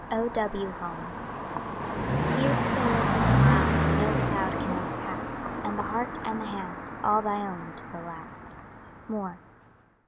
O. W. HOLMES Here still is the smile that no cloud can o'ercast, And the heart, and the hand, all thy own to the last. MOORE.